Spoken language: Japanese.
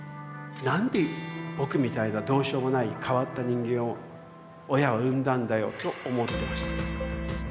なんで僕みたいなどうしようもない変わった人間を親は産んだんだよと思っていました。